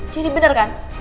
jadi bener kan